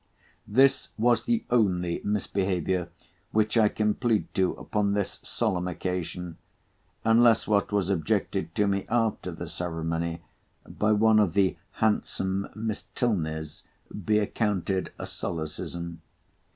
This was the only misbehaviour which I can plead to upon this solemn occasion, unless what was objected to me after the ceremony by one of the handsome Miss T——s, be accounted a solecism.